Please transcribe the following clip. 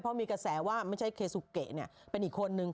เพราะมีกระแสว่าไม่ใช่เคซูเกะเป็นอีกคนนึง